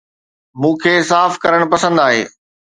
مون کي صاف ڪرڻ پسند آهي